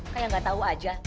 kayak gak tau aja